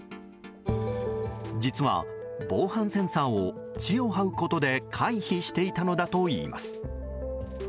実は、防犯センサーを地をはうことで回避していたのだといいます。